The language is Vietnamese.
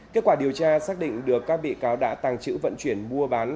kết quả điều tra xác định được các bị cáo đã tàng trữ vận chuyển mua bán